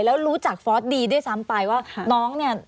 แล้วรู้จักฟอร์สดีด้วยซ้ำไปว่าน้องเนี่ย